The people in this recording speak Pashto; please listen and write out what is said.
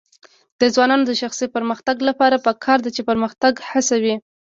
د ځوانانو د شخصي پرمختګ لپاره پکار ده چې پرمختګ هڅوي.